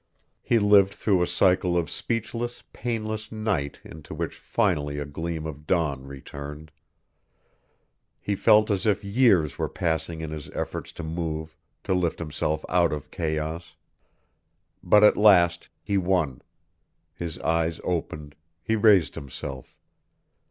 He lived through a cycle of speechless, painless night into which finally a gleam of dawn returned. He felt as if years were passing in his efforts to move, to lift himself out of chaos. But at last he won. His eyes opened, he raised himself.